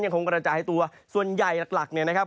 คงกระจายตัวส่วนใหญ่หลักเนี่ยนะครับ